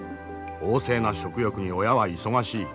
旺盛な食欲に親は忙しい。